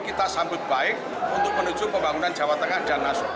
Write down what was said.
kita sambut baik untuk menuju pembangunan jawa tengah dan nasional